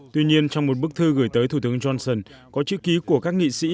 tuy nhiên trong một bức thư gửi tới thủ tướng johnson có chữ ký của các nghị sĩ